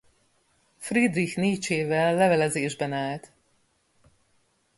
Friedrich Nietzschével levelezésben állt.